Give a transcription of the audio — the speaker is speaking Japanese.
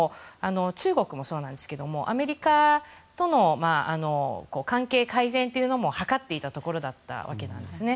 中国もそうなんですけどアメリカとの関係改善というのも図っていたところだったわけなんですね。